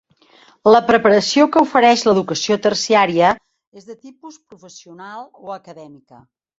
La preparació que ofereix l'educació terciària és de tipus professional o acadèmica.